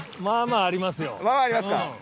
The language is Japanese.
まあまあありますか。